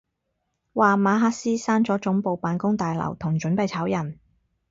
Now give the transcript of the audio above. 話馬斯克閂咗總部辦公大樓同準備炒人